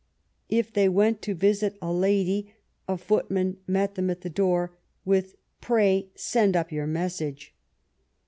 If they went to visit a lady, a footman met them at the door, with * Pray send up your message.'